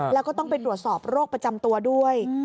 แล้วก็ต้องไปตรวจสอบโรคประจำตัวด้วย